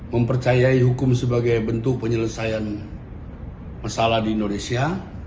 mempercayai hukum sebagai bentuk penyelesaian masalah di indonesia